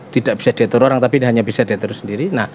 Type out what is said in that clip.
tidak bisa diatur orang tapi hanya bisa diatur sendiri